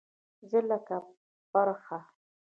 زه لکه پرخه